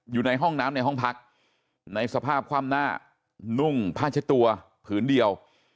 อยู่ในห้องน้ำในห้องพักในสภาพคว่ำหน้านุ่งผ้าเช็ดตัวผืนเดียว